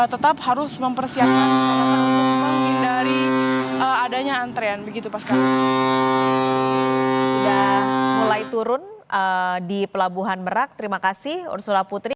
tetap harus mempersiapkan menghindari adanya antrean begitu pasca